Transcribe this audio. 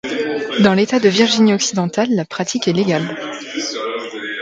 Dans l'État de Virginie-Occidentale, la pratique est légale.